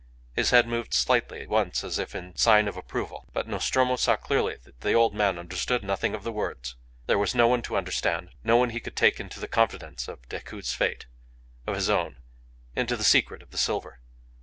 His head moved slightly once as if in sign of approval; but Nostromo saw clearly that the old man understood nothing of the words. There was no one to understand; no one he could take into the confidence of Decoud's fate, of his own, into the secret of the silver.